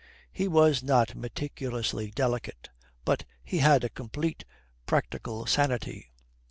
He was not meticulously delicate, but he had a complete practical sanity.